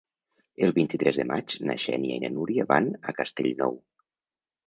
El vint-i-tres de maig na Xènia i na Núria van a Castellnou.